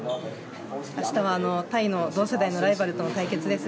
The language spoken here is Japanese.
明日は、タイの同世代のライバルとの対決です。